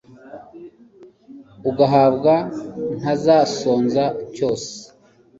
uguhabwa ntazasonza cyose